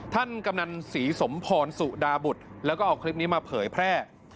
กำนันศรีสมพรสุดาบุตรแล้วก็เอาคลิปนี้มาเผยแพร่